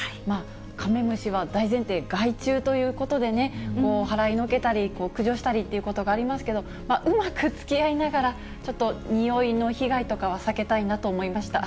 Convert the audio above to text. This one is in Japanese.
カメムシは大前提、害虫ということでね、払いのけたり、駆除したりということがありますけど、うまくつきあいながら、ちょっと臭いの被害とかは避けたいなと思いました。